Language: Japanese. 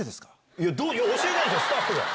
いや、どう、教えないでしょ、スタッフが。